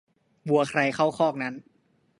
วัวใครเข้าคอกนั้น